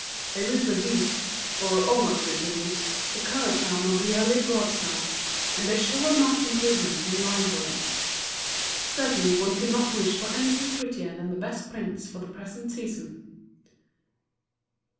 They reproduce, or almost reproduce, the color charm of the early broadsides; and they show a marked improvement in line drawing. Certainly one could not wish for anything prettier than the best prints of the present season.